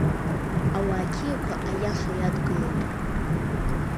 Ауаа қьиақәа аиаша иадгылоит!